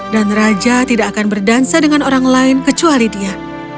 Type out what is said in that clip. dan raja tidak akan berdansa dengan orang lain kecuali dia